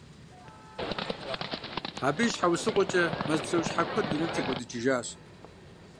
Абы и щхьэусыгъуэкӏэ, мэз псэущхьэ куэд дунейм текӀуэдыкӀыжащ.